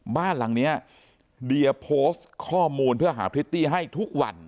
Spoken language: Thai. บ้านหลังนี้เดียโพสต์ข้อมูลเพื่อหาพริตตี้ให้ทุกวัน